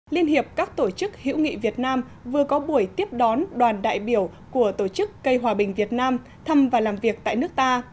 liên hiệp các tổ chức hiểu nghị việt nam vừa có buổi tiếp đón đoàn đại biểu của tổ chức cây hòa bình việt nam thăm và làm việc tại nước ta